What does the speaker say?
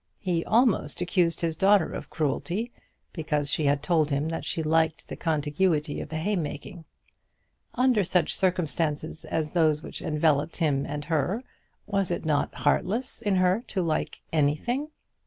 He almost accused his daughter of cruelty, because she had told him that she liked the contiguity of the hay making. Under such circumstances as those which enveloped him and her, was it not heartless in her to like anything?